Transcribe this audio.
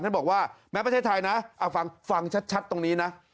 ท่านบอกว่าแม้ประเทศไทยนะเอาฟังชัดตรงนี้นะ